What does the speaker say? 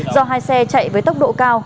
do hai xe chạy với tốc độ cao